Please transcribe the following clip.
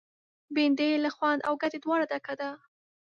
بېنډۍ له خوند او ګټې دواړو ډکه ده